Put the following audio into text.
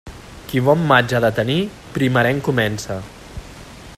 Qui bon maig ha de tenir, primerenc comença.